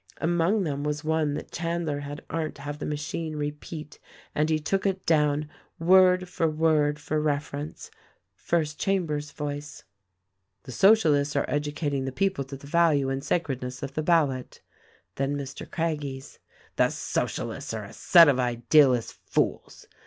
Among them was one that Chandler had Arndt have the machine repeat and he took it down word for word for reference. First Chambers' voice: "The Socialists are educating the people to the value and sacredness of the ballot." Then Mr. Craggie's : "The Socialists are a set of ideal ist fools.